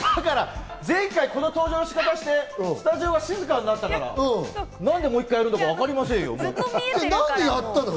前回この登場の仕方をしてスタジオが静かになったから、何でもう一回やるのかわかりませんよ。